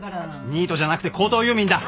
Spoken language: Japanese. ニートじゃなくて高等遊民だ！